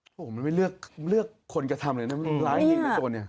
โอ้โหมันไม่เลือกคนกระทำเลยนะมันร้ายจริงนะตัวนี้